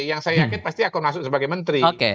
yang saya yakin pasti akan masuk sebagai menteri